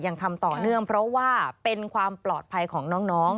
ยังทำต่อเนื่องเพราะว่าเป็นความปลอดภัยของน้อง